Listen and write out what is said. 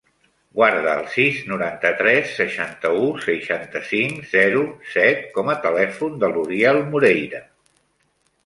Guarda el sis, noranta-tres, seixanta-u, seixanta-cinc, zero, set com a telèfon de l'Uriel Moreira.